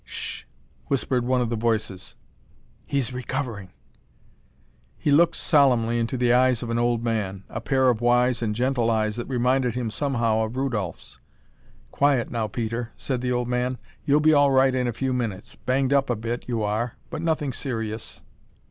"Sh h!" whispered one of the voices. "He's recovering!" He looked solemnly into the eyes of an old man; a pair of wise and gentle eyes that reminded him somehow of Rudolph's. "Quiet now, Peter," said the old man. "You'll be all right in a few minutes. Banged up a bit, you are, but nothing serious."